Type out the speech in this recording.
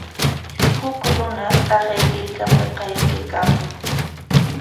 Huk runa taqay hirkapik qayakaykaamun.